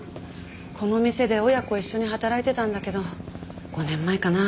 この店で親子一緒に働いてたんだけど５年前かな？